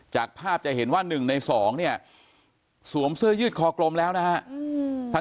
จากภาพจะเห็นว่า๑ใน๒เนี่ยสวมเสื้อยืดคอกลมแล้วนะฮะ